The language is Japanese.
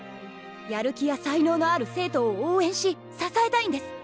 やる気や才能のある生徒を応援し支えたいんです。